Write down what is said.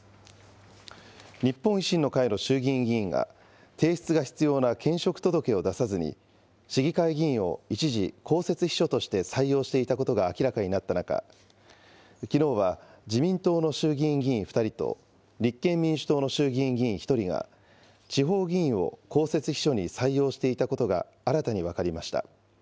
日本維新の会の衆議院議員が、提出が必要な兼職届を出さずに、市議会議員を一時、公設秘書として採用していたことが明らかになった中、きのうは自民党の衆議院議員２人と立憲民主党の衆議院議員１人が、地方議員を公設秘書に採用していたことが新たに分かりました。